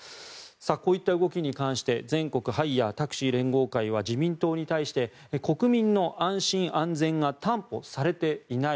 こういった動きに関して全国ハイヤー・タクシー連合会は自民党に対して国民の安心・安全が担保されていない。